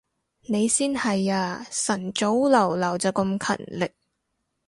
你先係啊，晨早流流就咁勤力